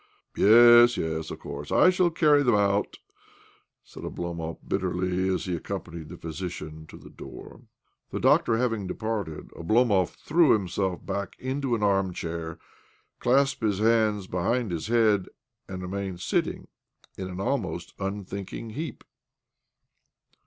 "Yes, yes. Of course I shall carry them out !" said Oblomov bitterly as he accom panied the physician to the door, The doctor having departed, Oblomov threw himself back into an arm chair, clasped his hands behind his head, and remained sitting in an almost unthinking OBLOMOV 69 heap.